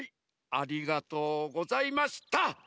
ありがとうございます。